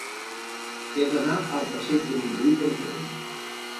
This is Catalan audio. He d'anar al passeig de Montjuïc amb tren.